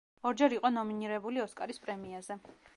ორჯერ იყო ნომინირებული ოსკარის პრემიაზე.